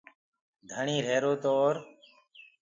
ڌڻيٚ روهيرو تو اور